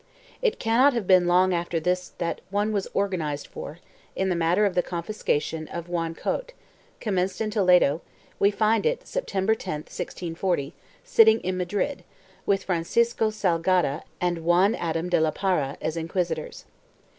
It cannot have been long after this that one was organized for, in the matter of the confiscation of Juan Cote, commenced in Toledo, we find it, September 10, 1640, sitting in Madrid, with Fran cisco Salgado and Juan Adam de la Parra as inquisitors.